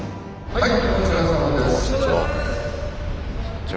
はい。